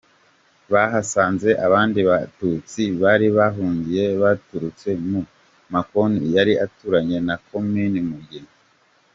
Bahasanze abandi Batutsi bari bahahungiye baturutse mu makomini yari aturanye na Komini Mugina.